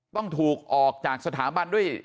ต้องถูกออกจากสถาบันด้วย